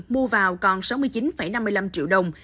mua vào còn sáu mươi chín năm mươi năm triệu đồng